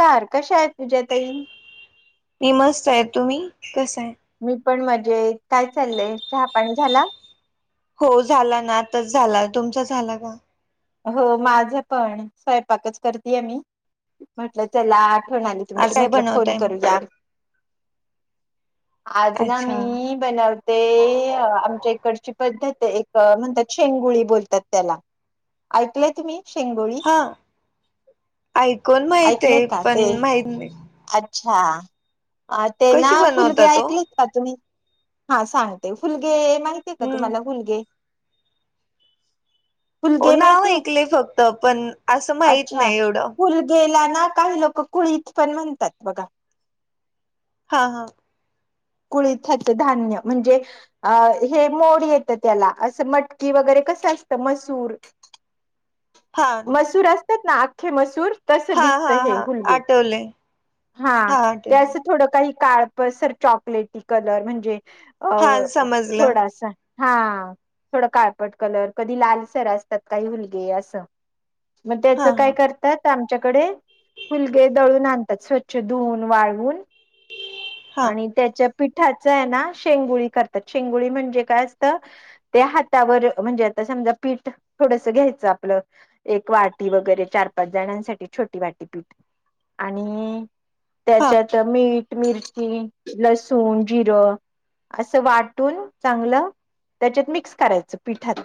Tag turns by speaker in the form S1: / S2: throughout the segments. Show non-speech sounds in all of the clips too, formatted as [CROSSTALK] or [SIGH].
S1: कायं कशा आहेतं तुझ्यां ताई
S2: मि मस्तं आहे तुम्हीं कसं आहे
S1: मी पणं मंजेत कायं चाललंय चहापाणी झालायं
S2: हो झालां नां आंताच झालां तुमचा झालां कां
S1: हो माझं पणं स्वयंपाकच करतेय मी म्हटलं चलां आठवण आली
S2: आज
S1: तुम्हांला
S2: काय
S1: म्हटलं फोन
S2: बनवताय मग
S1: करूं यां आंज नां
S2: अच्छा
S1: मी बनवते आमच्या इकडची पद्धतं एक म्हणतांत शेंगुळी बोलतांत त्यांला ऐकलंय कां तुम्हीं
S2: हां ऐकूंन माहित
S1: ऐकलंय
S2: आहे
S1: का ते
S2: पणं माहित नाहीं
S1: अच्छा ते
S2: कशी
S1: नां फुलगे
S2: बनवता तो
S1: ऐकले कां तुम्हीं हां सांगते फुलगे माहितीय कां
S2: हम्म
S1: तुम्हांला फुलगे
S2: ओ
S1: फलगे
S2: नाव
S1: माहितीय
S2: ऐकले फक्त पण असं माहित
S1: अच्छा
S2: नाही एवढं
S1: फलगेला नां कांहीं लोकं कुंळीत पणं म्हणतांत बघां
S2: हां हां
S1: कुंळीयांच धान्यं म्हणजे अं हे मोडं येतं त्यांला असं मटकी वगैरें कसं असतं मसूंर
S2: हा
S1: मसूर असतात ना आख्खे मसूर. तस
S2: हा
S1: दिसत
S2: हा
S1: हे
S2: हा
S1: [UNINTELLIGIBLE]
S2: आठवले
S1: हा त्या थोडं काही काळप सर चॉकलेटी कलर म्हणजे अ
S2: हा समजलं
S1: थोडासा हा थोडं काळपट कलर कधी लाल सर असतात काही हुलगे असं. मग त्याच
S2: हा
S1: काय
S2: हा
S1: कर तत आमच्याकडे फुलगे दळून आणतात स्वच्छ धून वाळवून.
S2: हा
S1: आणि त्याच्या पिठाच आहे ना शेंगुळी करतात. शेंगुळी म्हणजे काय असतं? ते हातावर म्हणजे आता समजा पीठ थोडस घ्यायचं आपलं. एक वाटी वगैरे चार पाच जणांसाठी छोटी वाटी पीठ आणि
S2: हा
S1: त्याच्यात मीठ, मिरची, लसूण, जिरं असं वाटून चांगलं त्याच्यात मिक्स करायचं पिठात.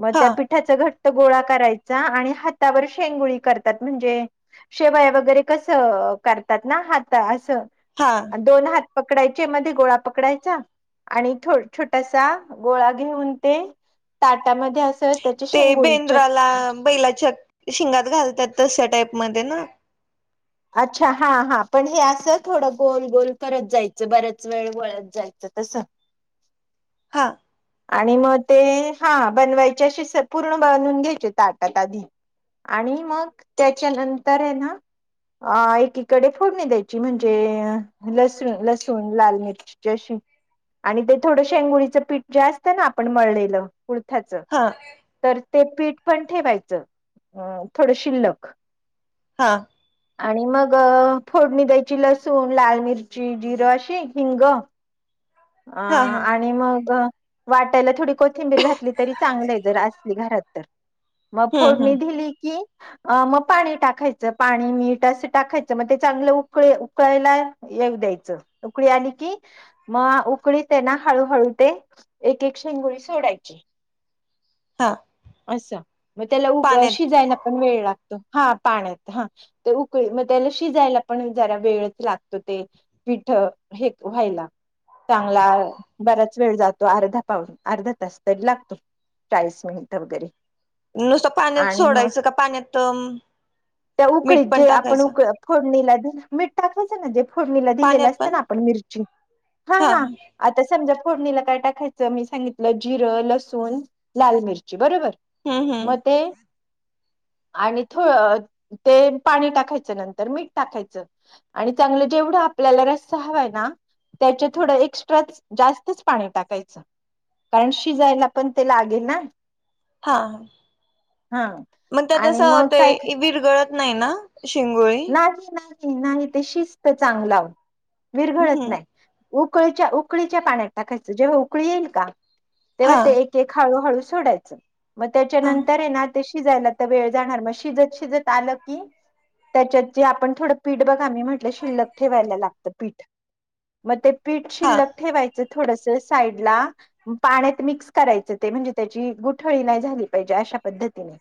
S1: म
S2: हा
S1: त्या पीठ पिठाचा घट्ट गोळा करायचा आणि हातावर शेंगुळी करतात म्हणजे शेवाय वगैरे कसं करतात ना हात असं.
S2: हा.
S1: दोन हात पकडायचे मध्ये गोळा पकडायचा. आणि छोटासा गोळा घेऊन ते ताटामध्ये अस
S2: ते बेंद्राला बैलाच्या शिंगात घालतात तश्या टाईपमध्ये ना.
S1: अच्छा हा हा पण हे असं थोडं गोल गोल करत जायचं बऱ्याच वेळ वळत जायचं तसं.
S2: हां.
S1: आणि मग ते हा बनवायचे अशे स पूर्ण बनवून घ्यायचे ताटात आधी. आणि मग त्याच्या नंतर आहे ना अ एकीकडे फोडणी द्यायची म्हणजे लसूण लसूण, लाल मिर आणि ते थोडं शेंगुळीचं पीठ जे असत ना आपण मळलेलं कु [UNINTELLIGIBLE]
S2: हां.
S1: तर ते पीठ पण ठेवायचं, अ थोडं शिल्लक.
S2: हां.
S1: आणि मग फोडणी द्यायची लसूण, लाल मिरची, जिरं अशी हिंग. आ
S2: हा हा
S1: आणि मग वाटायला थोडी कोथिंबीर घातली तरी चांगलाय जर असली घरात तर. मग
S2: हम्म
S1: फोडणी
S2: हम्म
S1: दिली की. अ मग पाणी टाकायचं पाणी मीठ असं टाकायचं मग ते चांगलं उकळे उकळायला येऊ द्यायचं उकळी आली की मग उकळीतेना हळूहळू ते एक एक शेंगोळी सोडायची.
S2: हां.
S1: असं मग त्याला उग शिजायला पण वेळ लागतो हा पाण्यात हा. ते उकळी मग त्याला शिजायला पण जरा वेळच लागतो ते. पीठ हे व्हायला चांगला बऱ्या च वेळ जातो अर्धा पाऊून अर्धा तास तरी लागतो चाळीस मिनिट वगैरे.
S2: नुसता पाण्यात
S1: आणि मग
S2: सोडायचं का पाण्यात,
S1: त्या उकळीत
S2: मीठ पण
S1: जे आपण
S2: टाकायचं.
S1: उक फोडणीला मीठ टाकायचं ना जे फोडणीला दिलेलं
S2: पाण्यात
S1: असतं
S2: पण
S1: ना आपण मिरची
S2: हा हम्म
S1: आता समजा फोडणीला काय टाकायचं मी सांगितलं जिरं, लसूण लाल मिरची बरोबर.
S2: हम्म
S1: मते. आणि थों ते पाणी टाकायचं नंतर मीठ टाकायचं. आणि चांगलं जेवढं आपल्याला रस्सा हवाय ना त्याच्या थोडं एक्स्ट्रा जास्तच पाणी टाकायचं. कारण शिजायला पण ते लागेल ना-
S2: हा
S1: हा
S2: मंग त्यात अस
S1: आणि मग
S2: ते
S1: काय
S2: विरगळत नाय ना शिंगोळे
S1: नाही नाही नाही ते शिजत चांगल आहो विरघळत
S2: हम्म
S1: नाय. उकळीच्या उकळीच्या पाण्यात टाकायचं जेव्हा उकळी येईल का तेव्हा
S2: हा
S1: ते एक एक हळू हळू सोडायचं मग त्याच्या
S2: हा
S1: नंतर ये ना ते शिजायला त वेळ जाणार मग शिजत शिजत आलं की, त्याच्यात जे आपण थोडं पीठ बघा मी म्हटलं शिल्लक ठेवायला लागतं पीठ म ते पीठ
S2: हा
S1: शिल्लक ठेवायचं थोडस साईडला म पाण्यात मिक्स करायचं ते म्हणजे त्याची गुठळी नाय झाली पाहिजे अशा पद्धतीने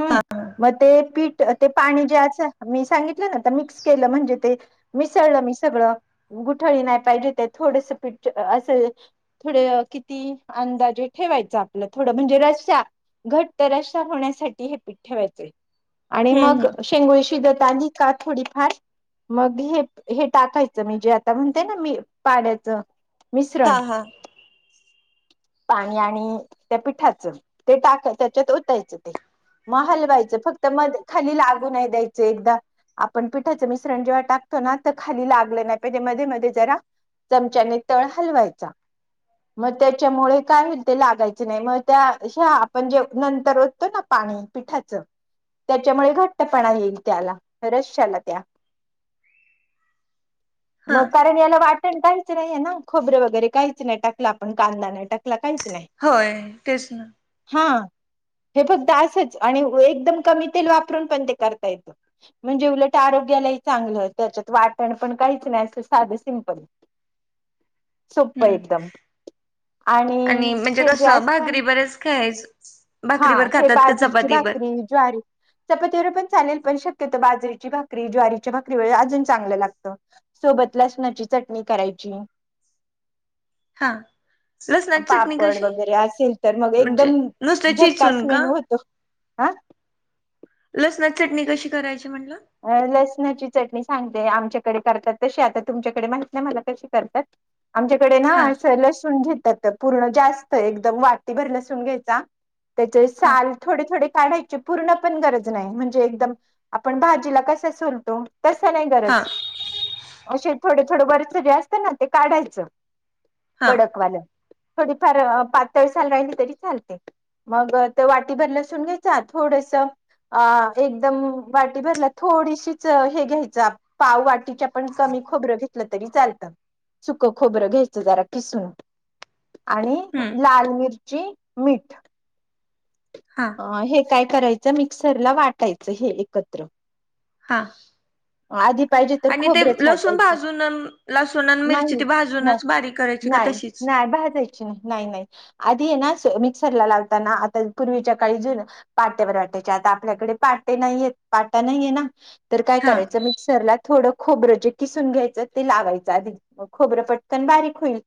S1: हूं
S2: हा
S1: म ते पीठ ठ ते पाणी जे आस मी सांगितलं न आता मिक्स केलं म्हणजे ते मिसळलं मी सगळं गुठळी नाय पाहिजे ते थोडस पीठ अ असं थोड किती अंदाजे ठेवायचं आपल्या थोडं म्हणजे रश्या घट रश्या होण्यासाठी हे पिठ ठेवायचय. आणि
S2: हम्म
S1: मग
S2: हम्म
S1: शेंगोळी शिजत आली का थोडीफार मग हे हे टाकायचं मी जे आता म्हणते ना मी पाण्याचं मिश्रण
S2: हा हा
S1: पाणी आणि त्या पिठाचं ते टाक त्याच्यात ओतायचं ते म हलवायचं फक्त मध खाली लागू नाय द्यायचं एकदा आपण पिठाचं मिश्रण जेव्हा टाकतो ना त खाली लागलं नाय पाहिजे मध्ये मध्ये जरा चमच्याने तळ हलवायचा म त्याच्यामुळे काय होईल ते लागायच नाय म त्या हया आपण जे नंतर ओततो ना पाणी पिठाचं त्याच्यामुळे घट्टपणा येईल त्याला रश्याला त्या [INAUDIBLE]
S2: हा
S1: म कारण याला वाटण काहीचं नाहीये ना खोबरे वगैरे काहीच नाही टाकलं आपण कांदा नाय टाकला काहीच, नाही
S2: होय तेच न
S1: हा हे फक्त असंच आणि एकदम कमी तेल वापरून पण ते करता येतं. म्हणजे उलट आरोग्यालाही चांगलं त्याच्यात वाटण पण काहीच नाय असं साधं सिंपल. सोप्प
S2: हम्म
S1: एकदम आणि
S2: म्हणजे
S1: हे
S2: कसं
S1: जास्त
S2: भाकरी बरच खायचं
S1: हा
S2: भाकरीवर
S1: हे
S2: खातात का
S1: बाजरीची
S2: चपातीवर
S1: भाकरी, ज्वारी चपातीबरोबर पण चालेल पण शक्यत बाजरीची भाकरी ज्वारीची भाकरी व अजून चांगलं लागतं. सोबत लसणाची चटणी करायची.
S2: हां
S1: पापड वगैरे असेल तर मग
S2: म्हणजे
S1: एकदम
S2: नुसतं
S1: झक्कास
S2: चिचून का
S1: मेनू होतो. हा
S2: लसणा चटणी कशी करायची म्हणलं
S1: अ लसणाची चटणी सांगते आमच्याकडे करतात तशी आता तुमच्याकडे माहित नाय मला कशी करतात. आमच्याकडे ना
S2: हा
S1: असं लसूण घेतात पूर्ण जास्त एकदम वाटीभर लसूून घ्यायचा त्याचे
S2: हा
S1: साल थोडे थोडे काढायचे पूर्ण पण गरज नाय म्हणजे एकदम आपण भाज जीला कस सोलतो तस नाय
S2: हा
S1: गरज असे थोड थोडं वरच जे असत ना ते काढायचं
S2: हा
S1: कडकवालं. थोडीफार पातळीसाल राहिली तरी चालतय. मग ते वाटीभर लसूण घ्यायचा थोडस अ एकदम वाटी भरला थोडीशीच हे घ्यायचं, पाव वाटीच्या पण कमी खोबरं घे लं, तरी चालतं. सुख खोबरं घ्यायचं जरा किसून आणि
S2: हम!
S1: लाल, मिरची मीठ.
S2: हा!
S1: अ, हे काय करायचं मिक्सरला वाटायचं हे एकत्र.
S2: हा!
S1: आधी पाहिजे तर
S2: आणि ते
S1: खोबरच
S2: लसूण
S1: वाटायचं.
S2: भाजून लसूण आणि मिरची
S1: नाही,
S2: ती
S1: नाय
S2: भाजूनच बारीक करायची का
S1: नाही.
S2: तशीच
S1: नाय भाजायची? नाही, नाही. आधी हेय ना, मिक्सर लावताना आता पूर्वीच्या काळी पाट्यावर वाटायचे, आता आपल्याकडे पाटे नाहीय आहेत. पाटा नाहीये ना तर काय
S2: हा
S1: करायच? मिक्सरला थोडं खोबरं जे किसून घ्यायचं ते लावायचं आधी. म, खोबरं पटकन बारीक होईल.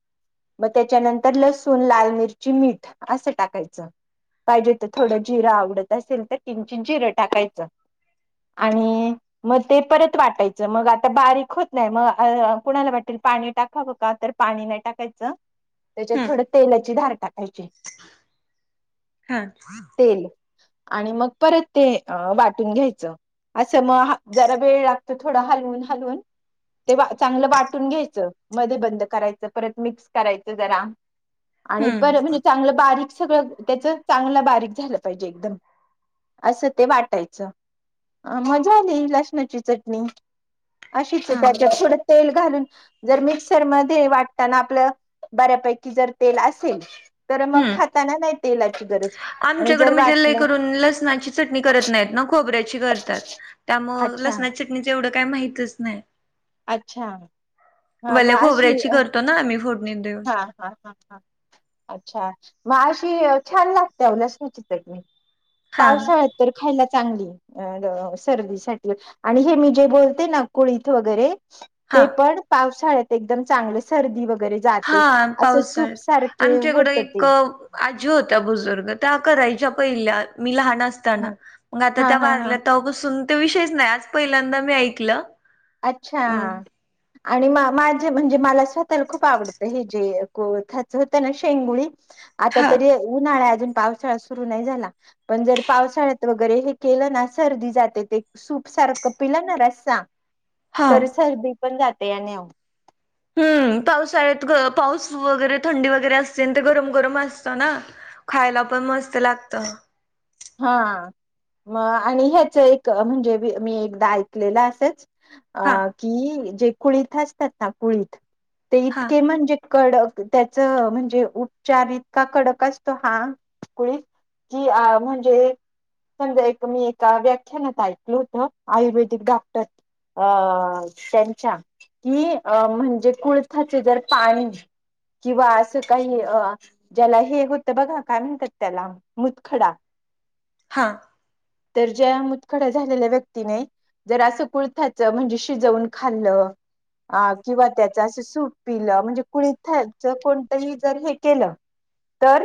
S1: मग त्याच्यानंतर लसूण, लाल मिरची, मीठ असं टाकायचं. पाहिजे तर थोडं जिरं आवडत असेल तर किंचित जिरं टाकायचं. आणि मग ते परत वाटायचं मग आता बारीक होत नाही, मग अ, कुणाला वाटेल पाणी टाकावं का? तर पाणी नाही टाकायचं. त्याच्यात
S2: हम्म
S1: थोडं तेलाची धार टाकायची.
S2: अच्छा.
S1: तेल आणि मग परत ते वाटून घ्यायचं अस म? हा जरा वेळ लागतो थोडा हलवून, हलवून ते चांगलं वाटून घ्यायचं मध्ये बंद करायचं परत मिक्स करायचं जरा. आणि
S2: हम्म
S1: पर म्हणजे चांगलं बारीक सगळं, त्याच चांगलं बारीक झालं पाहिजे एकदम. असं ते वाटायचं मग झाली लस नाची चटणी, अशी
S2: हा
S1: तेच्यात थोडं तेल घालून, जर मिक्सरमध्येध्ये वाटताना आपलं बऱ्यापैकी जर तेल असेल, तर मग खाताना नाही तेलाची गरज. आणि
S2: आमच्याकडं
S1: जर
S2: म्हणजे
S1: वाटलं
S2: लयकरून लसणाची चटणी करत नाहीत ना खोबऱ्याची कर त्यामुळ
S1: अच्छा
S2: लसनणाच्या चटणीच एवढं काही माहितच नाही.
S1: अच्छा, हां म अशी
S2: हा आम्ही फोडणी देऊन
S1: हा, हा, हा, हा. अच्छा, म अशी छान लागते व लसणाची चटणी,
S2: हा
S1: पावसाळ्यात खायला चांगली. अ, सर्दीसाठी आणि हे मी जे बोलते नाग कुळी इथ वगैरे.
S2: हा
S1: ते पण पावसाळ्यात एकदम चांगले सर्दी वगैरे जा
S2: हा पावसाळ्यात. आमच्याकडं
S1: होत
S2: एक
S1: ते
S2: आजी होत्या बुजुर्ग. त्या करायच्या पहिल्या मी लहान अस
S1: हा
S2: ताना, मग आता
S1: हा
S2: त्या
S1: हा हा
S2: वारल्या तवा पसून ते विषयच नाही आज पहिल्यांदा मी ऐकलं. हम्म
S1: अच्छा. आणि मामा -आज्जी म्हणजे मला स्वतःला खूप आवडत हे जे कोथचं होतं ना शेंगुळी आता
S2: हा
S1: तरी उन्हाळा, अजून पावसाळा सुरू नाही झाला. पण जर पावसाळ्यात वगैरे हे केलं ना... सर्दी जाते... ते. सूप सारखं पिला ना रस्सा...
S2: हा
S1: तर सर्दी पण जाते... याने अवो.
S2: हम्म.. पावसाळ्यात... ग... पाऊस वगैरे... थंडी वगैरे असते... अन ते गरम गरम असतं ना खायला पण मस्त लागतं.
S1: हा... मग... आणि ह्याचं एक... म्हणजे... मी... मी... एकदा ऐकलेलं असच.
S2: हा
S1: अं... की... जे कुळीथ असतात ना कुळीथ... ते
S2: हा
S1: इतके म्हणजे कडक... त्याचं... म्हणजे उपचार इतका कडक असतो हा जीआ... म्हण. [UNINTELLIGIBLE] एक मी एका व्याख्यानात ऐकलं होतं... आयुर्वेदिक डॉक्टर अं त्यांच्या... की.... अ... म्हणजे कुळथाचे जर पाणी किंवा असं काही... अ... ज्याला हे होतं बघा... काय म्हणतात त्याला मुतखडा
S2: हां.
S1: तर ज्या मुतखड्या झालेल्या व्यक्तीने जर असं कुळथ्याचं.... म्हणजे शिजवून खाल्लं अं किंवा त्याचं असं सूप पिलं... म्हणजे कुळीथ्याचं कोणतंही जर हे केलं तर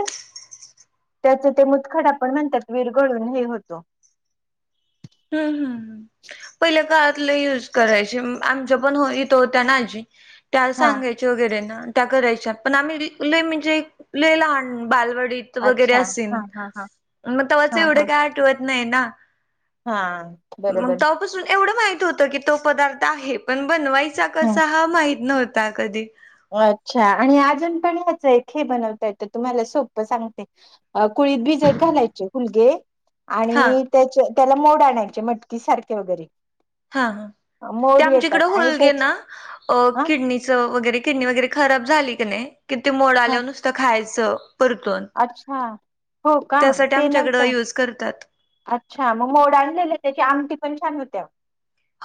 S1: तर ते मुतखडा पण म्हणत्यात विरघळून हे होतो.
S2: हूहू. पहिल्या काळात लई युज करायचे... आमच्या पण... हो... इथं होत्या ना आजी त्या
S1: हा
S2: सांगायच्या वगैरे ना... त्या करायच्या... पण आम्ही... लई म्हणजे... लई लहान बालवडीत वगैरे
S1: अच्छा
S2: अशील...
S1: हा हा हा
S2: मग तव्हाचं
S1: हा
S2: एवढे
S1: हा
S2: काय.... आठवत नाई ना
S1: हा.
S2: मग
S1: बरोबर
S2: तवापासून एवढं माहित होतं की.... तो पदार्थ आहे... पण बनवायचा
S1: हं.
S2: कसा हा... माहित नव्ह. -ता कधी.
S1: अच्छा आणि अजून पण... ह्याचं एक हे बनवता येतं... तुम्हाला सोपं सांगते कुळीत भिजत घालायचे... हुलगे...
S2: हा
S1: आणि त्याच्या... त्याला मोड आणायचे... मटकी सारखे वगैरे
S2: हा हं... ते
S1: मोड
S2: आमच्याकडं
S1: येतात आणि
S2: हुलगे
S1: त्याच
S2: ना... अं...
S1: हा
S2: किडनी चव वगैरे... किडनी वगैरे खराब झाली... क.... नई.... कि ते मोड
S1: हा
S2: आल्यावर नुसतं खायचं परतून...
S1: अच्छा हो का
S2: त्यासाठी
S1: ते
S2: आमच्याकडं
S1: नव्हतं
S2: यूज करतात.
S1: अच्छा.... मग मोड आणलेले.... त्याची आमटी पण छान होती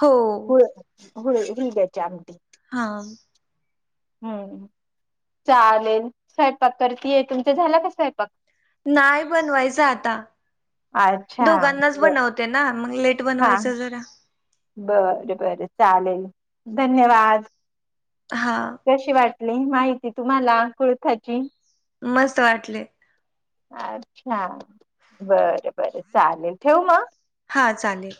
S2: हो
S1: होय... हुलग्याची आमटी.
S2: हा.
S1: हम्म. चालेल... स्वयंपाक करती ए... तुमचा झाला का स्वयंपाक?
S2: नाई बनवायचं आता...
S1: अच्छा
S2: दोघांनाच...
S1: बर
S2: बनवते ना... मग लेट बनवायचं जरा
S1: बरं बरं... चालेल धन्यवाद!
S2: हा.
S1: कशी वाटली माहिती तुम्हाला कुळथाची?
S2: मस्त वाटली.
S1: अच्छा... बरं बरं... चालेल... ठेऊ मग?
S2: हां... चालेल